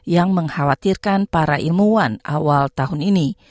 yang mengkhawatirkan para ilmuwan awal tahun ini